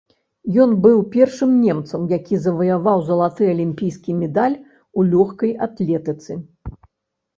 Ён быў першым немцам, які заваяваў залаты алімпійскі медаль у лёгкай атлетыцы.